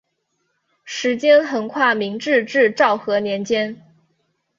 时间横跨明治至昭和年间。